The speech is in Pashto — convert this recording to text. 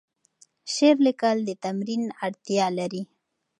شعر لیکل د تمرین اړتیا لري.